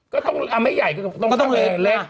ก็ต้องเอาไม่ใหญ่ก็ต้องคำแม่เล็ก